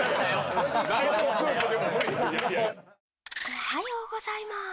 おはようございます。